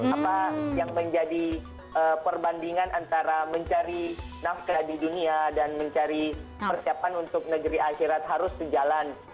apa yang menjadi perbandingan antara mencari nafkah di dunia dan mencari persiapan untuk negeri akhirat harus sejalan